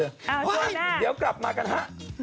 โอ้ช่วงหน้าเดี๋ยวกลับมากันฮะ